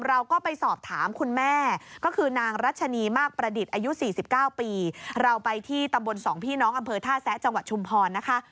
เราก็ไปสอบถามคุณแม่ก็คือนางรัชนีมากประดิษฐ์อายุ๔๙ปีเราไปที่ตำบลสองพี่น้องอำเภอท่าแซะจังหวัดชุมพรนะคะ